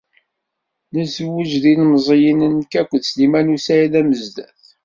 Nezweǧ d ilemẓiyen nekk akked Sliman u Saɛid Amezdat.